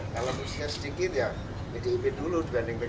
kalau kursinya sedikit ya di ib dulu dibanding pkb